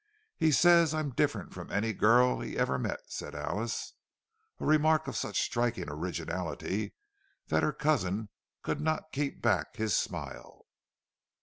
"He says I'm different from any girl he ever met," said Alice—a remark of such striking originality that her cousin could not keep back his smile.